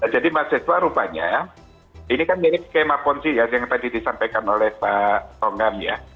jadi mahasiswa rupanya ini kan mirip skema ponzi yang tadi disampaikan oleh pak tonggang ya